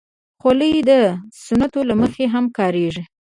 خولۍ د سنتو له مخې هم کارېږي.